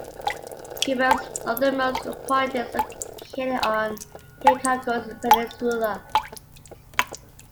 Cuba's northernmost point is located in on Hicacos Peninsula.